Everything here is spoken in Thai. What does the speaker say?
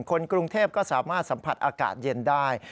คนกรุงเทพก็สามารถสัมผัสอากาศเย็นได้